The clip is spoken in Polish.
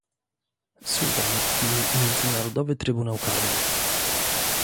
Sudan i Międzynarodowy Trybunał Karny